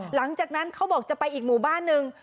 หลังจากนั้นเขาบอกจะไปอีกหมู่บ้านหนึ่ง